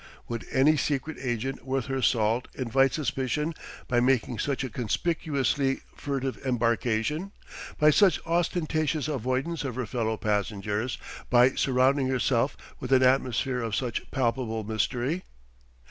Would any secret agent worth her salt invite suspicion by making such a conspicuously furtive embarkation, by such ostentatious avoidance of her fellow passengers, by surrounding herself with an atmosphere of such palpable mystery?